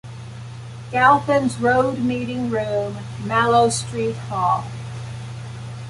Galpins Road Meeting Room, Mallow Street Hall.